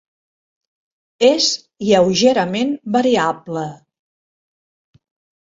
És lleugerament variable.